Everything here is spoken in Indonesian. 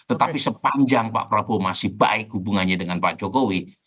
tetapi sepanjang pak prabowo masih baik hubungannya dengan pak jokowi